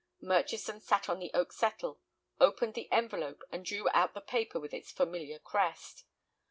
Murchison sat on the oak settle, opened the envelope, and drew out the paper with its familiar crest.